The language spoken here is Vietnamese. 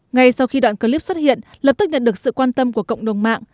ngay sau khi đoạn clip xuất hiện lập tức nhận được sự quan tâm của cộng đồng mạng